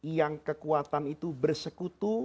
yang kekuatan itu bersekutu